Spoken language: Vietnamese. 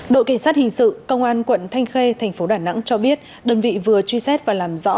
đội cảnh sát hình sự công an quận thanh khê thành phố đà nẵng cho biết đơn vị vừa truy xét và làm rõ